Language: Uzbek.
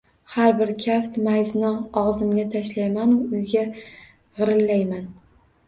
Men bir kaft mayizni og‘zimga tashlaymanu uyga g‘irillayman.